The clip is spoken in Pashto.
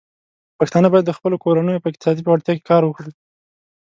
پښتانه بايد د خپلو کورنيو په اقتصادي پياوړتيا کې کار وکړي.